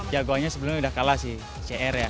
jagonya sebelumnya udah kalah sih cr ya